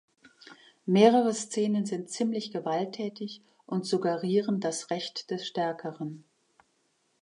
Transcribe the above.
Mehrere Szenen sind ziemlich gewalttätig und suggerieren das Recht des Stärkeren.